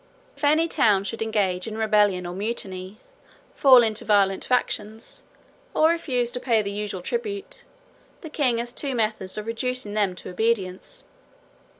If any town should engage in rebellion or mutiny, fall into violent factions, or refuse to pay the usual tribute, the king has two methods of reducing them to obedience.